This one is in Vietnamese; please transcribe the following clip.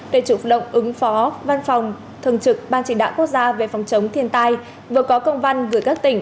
để chủ động ứng phó văn phòng thường trực ban chỉ đạo quốc gia về phòng chống thiên tai vừa có công văn gửi các tỉnh